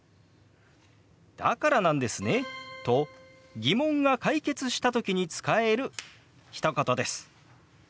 「だからなんですね」と疑問が解決した時に使えるひと言です。